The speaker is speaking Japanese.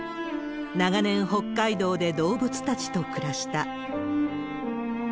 長年、北海道で動物たちと暮らした。